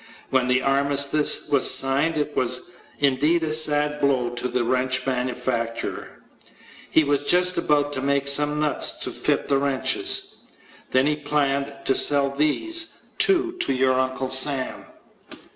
When the Armistice was signed it was indeed a sad blow to the wrench manufacturer. He was just about to make some nuts to fit the wrenches. Then he planned to sell these, too, to your Uncle Sam.